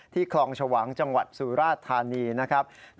คลองชวางจังหวัดสุราธานีนะครับ